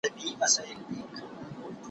چي پر ستوني به یې زور وکړ یو نوکی